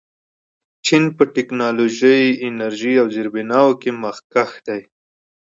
چین په ټیکنالوژۍ، انرژۍ او زیربناوو کې مخکښ دی.